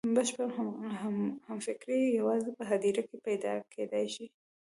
بشپړه همفکري یوازې په هدیره کې پیدا کېدای شي.